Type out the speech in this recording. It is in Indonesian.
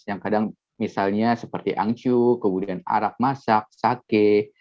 yang kadang misalnya seperti angcu kemudian arak masak sake